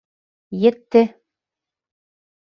Етте...